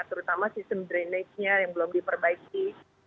terutama sistem drainase nya yang belum diperbaiki